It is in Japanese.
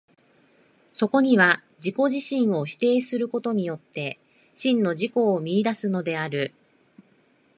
そこには自己自身を否定することによって、真の自己を見出すのである。